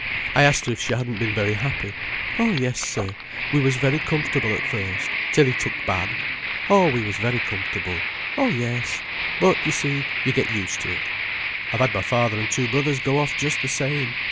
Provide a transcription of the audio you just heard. I asked her if she hadn't been very happy. 'Oh, yes, sir, we was very comfortable at first, till he took bad—oh, we was very comfortable—oh, yes—but, you see, you get used to it. I've had my father and two brothers go off just the same.